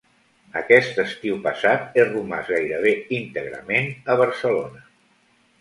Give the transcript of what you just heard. Aquest estiu passat he romàs gairebé íntegrament a Barcelona.